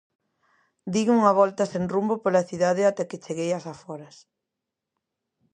Din unha volta sen rumbo pola cidade ata que cheguei ás aforas.